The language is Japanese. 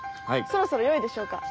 そろそろよいでしょうか。